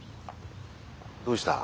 どうした？